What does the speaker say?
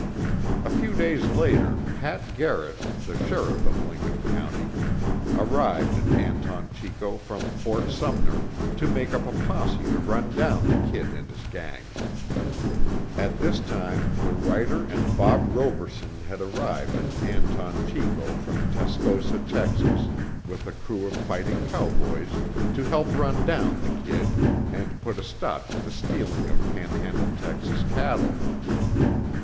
A few days later, Pat Garrett, the sheriff of Lincoln County, arrived in Anton Chico from Fort Sumner, to make up a posse to run down the "Kid" and his gang. At this time the writer and Bob Roberson had arrived in Anton Chico from Tascosa, Texas, with a crew of fighting cowboys, to help run down the "Kid," and put a stop to the stealing of Panhandle, Texas, cattle.